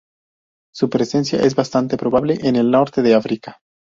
Su presencia es bastante probable en el norte de África.